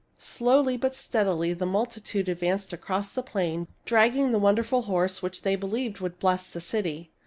Slowly but steadily the multitude advanced across the plain, dragging the wonderful horse which they believed would bless the city.